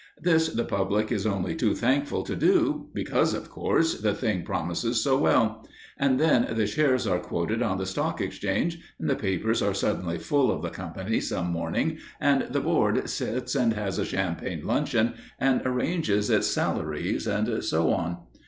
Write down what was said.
This the public is only too thankful to do, because, of course, the thing promises so well; and then the shares are quoted on the Stock Exchange, and the papers are suddenly full of the company some morning, and the board sits and has a champagne luncheon and arranges its salaries and so on.